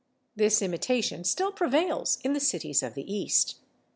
This imitation still prevails in the cities of the East.